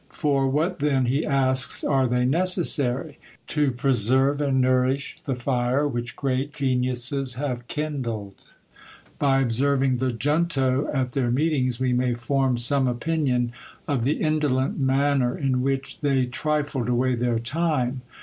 "For what then," he asks, "are they necessary? To preserve and nourish the fire which great geniuses have kindled." By observing the Junto at their meetings we may form some opinion of the indolent manner in which they trifled away their time.